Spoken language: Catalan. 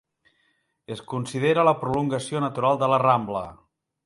És considerada la prolongació natural de la Rambla.